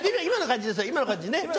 今の感じで今の感じね。